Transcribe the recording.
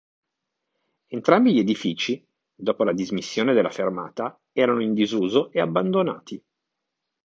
Entrambi gli edifici, dopo la dismissione della fermata, erano in disuso e abbandonati.